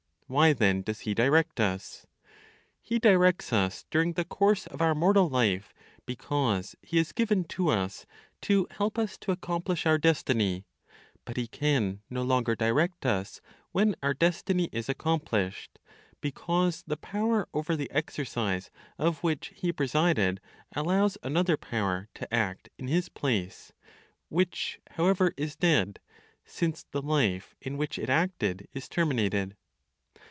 Why then does He direct us? He directs us during the course of our mortal life (because he is given to us to help us to accomplish our (destiny); but he can no longer direct us when our destiny is accomplished, because the power over the exercise of which he presided allows another power to act in his place (which however is dead, since the life in which it acted is terminated).